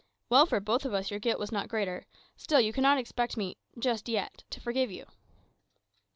"Well for both of us your guilt was not greater. Still, you cannot expect me just yet to forgive you."